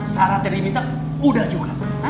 saran yang diminta udah juga